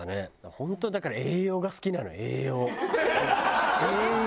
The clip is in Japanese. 本当だから栄養が好きなの栄養。